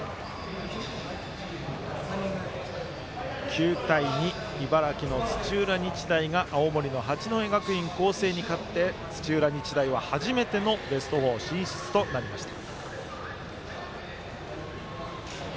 ９対２、茨城の土浦日大が青森の八戸学院光星に勝って土浦日大は初めてのベスト４進出となりました。